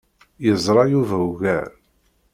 Yeẓra Yuba ugar.